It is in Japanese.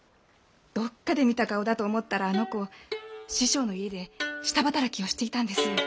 どっかで見た顔だと思ったらあの子師匠の家で下働きをしていたんですよ。